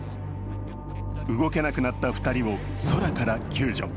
動けなくなった２人を空から救助。